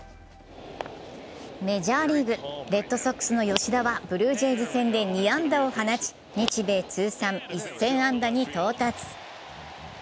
メジャーリーグ、レッドソックスの吉田はブルージェイズ戦で２安打を放ち日米通算１０００安打に到達。